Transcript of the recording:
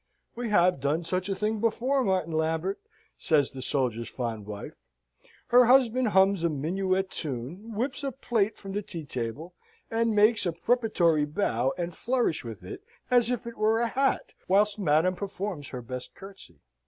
"We have done such a thing before, Martin Lambert!" says the soldier's fond wife. Her husband hums a minuet tune; whips a plate from the tea table, and makes a preparatory bow and flourish with it as if it were a hat, whilst madam performs her best curtsey.